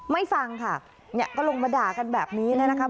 ฟังค่ะเนี่ยก็ลงมาด่ากันแบบนี้นะครับ